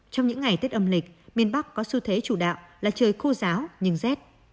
trong những ngày tết âm lịch miền bắc có xu thế chủ đạo là trời khô giáo nhưng rét